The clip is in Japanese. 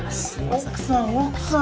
奥さん奥さん。